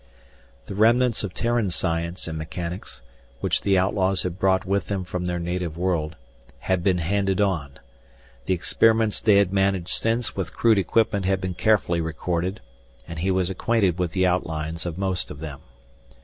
The remnants of Terran science and mechanics, which the outlaws had brought with them from their native world, had been handed on; the experiments they had managed since with crude equipment had been carefully recorded, and he was acquainted with the outlines of most of them.